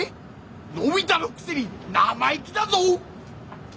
のび太のくせに生意気だぞ！